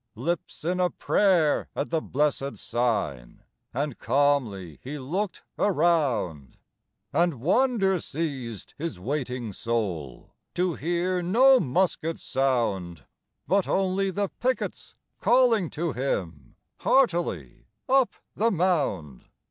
Lips in a prayer at the blessed Sign, And calmly he looked around, And wonder seized his waiting soul To hear no musket sound, But only the pickets calling to him, Heartily up the mound.